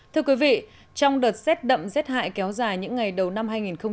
thưa quý vị trong đợt xét đậm xét hại kéo dài những ngày đầu năm hai nghìn một mươi tám